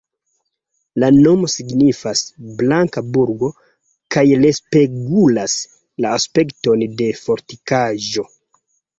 La nomo signifas "blanka burgo" kaj respegulas la aspekton de fortikaĵo.